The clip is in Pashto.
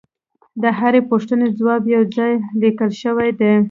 د هرې پوښتنې ځواب یو ځای لیکل شوی دی